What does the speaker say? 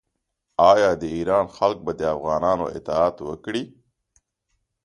آیا د ایران خلک به د افغانانو اطاعت وکړي؟